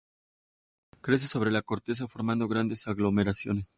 Crece sobre la corteza formando grandes aglomeraciones.